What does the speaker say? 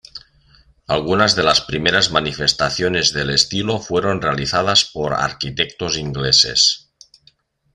Algunas de las primeras manifestaciones del estilo fueron realizadas por arquitectos ingleses.